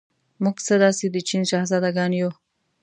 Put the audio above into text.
موږ څه داسې د چین شهزادګان یو.